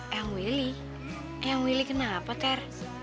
yang willy ayah willy kenapa ter